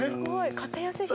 すごい。